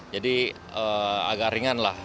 jadi agak ringan lah